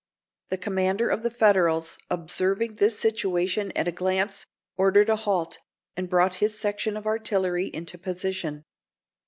The commander of the Federals, observing this situation at a glance, ordered a halt, and brought his section of artillery into position.